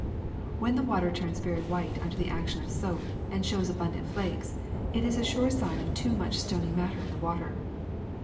*^ When water turns very white under the action of soap and shows abundant flakes, it is a sure sign of too much stony matter in the water.